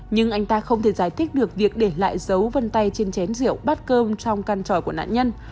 nhưng anh ta không thể giải thích được việc để lại dấu vân tay trên chén rượu bát cơm trong căn tròi của nạn nhân